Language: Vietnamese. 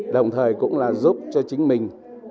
đồng thời cũng là giúp cho chính mình